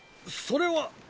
それは。